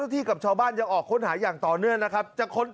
ที่กับชาวบ้านยังออกค้นหาอย่างต่อเนื่องนะครับจะค้น